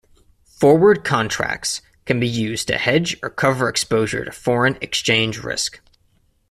Forward contracts can be used to hedge or cover exposure to foreign exchange risk.